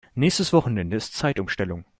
Nächstes Wochenende ist Zeitumstellung.